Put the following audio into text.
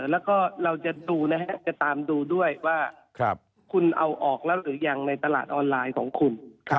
แล้วก็เราจะดูนะฮะจะตามดูด้วยว่าคุณเอาออกแล้วหรือยังในตลาดออนไลน์ของคุณ